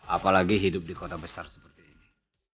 apalagi hidup di kota besar seperti ini